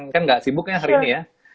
kan gak sibuknya hari ini ya